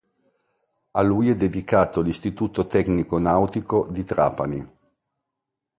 A lui è dedicato l'Istituto Tecnico Nautico di Trapani.